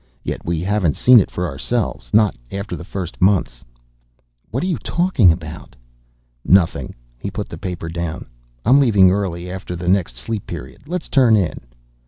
Yet we haven't seen it for ourselves, not after the first months ..." "What are you talking about?" "Nothing." He put the paper down. "I'm leaving early after the next Sleep Period. Let's turn in."